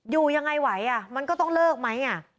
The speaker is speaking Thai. อยู่ยังไงไหวมันก็ต้องเลิกไหม